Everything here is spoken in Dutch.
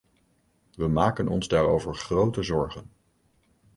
We maken ons daarover grote zorgen.